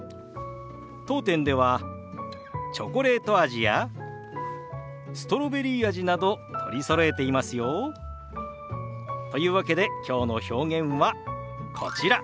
当店ではチョコレート味やストロベリー味など取りそろえていますよ。というわけできょうの表現はこちら。